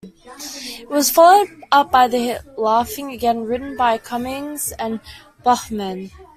It was followed up by the hit "Laughing", again written by Cummings and Bachman.